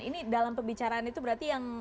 ini dalam pembicaraan itu berarti yang